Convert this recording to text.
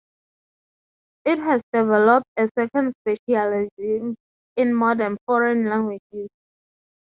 It has developed a second specialism in Modern Foreign Languages.